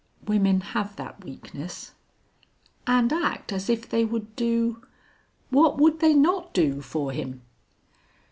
"Women have that weakness." "And act as if they would do what would they not do for him?"